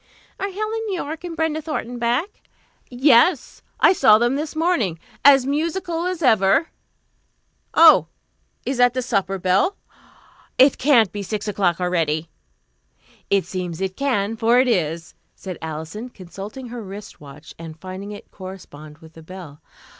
"Are Helen Yorke and Brenda Thornton back?" "Yes. I saw them this morning. As musical as ever. Oh, is that the supper bell? It can't be six o'clock already." "It seems it can for it is," said Alison, consulting her wrist watch and finding it correspond with the bell.